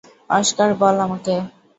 Oscar, বল আমাকে।